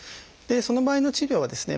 その場合の治療はですね